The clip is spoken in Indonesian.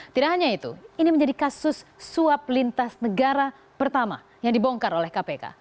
tidak hanya itu ini menjadi kasus suap lintas negara pertama yang dibongkar oleh kpk